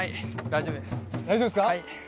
大丈夫です。